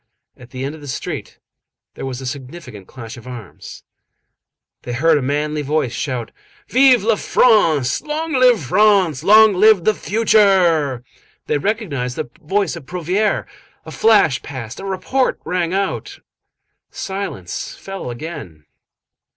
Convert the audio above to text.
At the end of the street there was a significant clash of arms. They heard a manly voice shout:— "Vive la France! Long live France! Long live the future!" They recognized the voice of Prouvaire. A flash passed, a report rang out. Silence fell again.